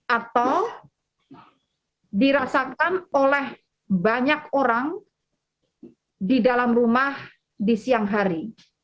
atau dirasakan oleh banyak orang di dalam rumah di siang hari